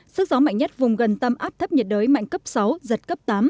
sức gió mạnh nhất vùng gần tâm áp thấp nhiệt đới mạnh cấp sáu giật cấp tám